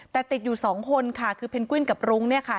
แต่ติดอยู่สองคนค่ะคือเพนกวินกับรุ้งเนี่ยค่ะ